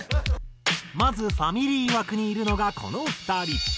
まずファミリー枠にいるのがこの２人。